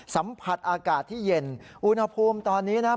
สัมผัสอากาศที่เย็นอุณหภูมิตอนนี้นะครับ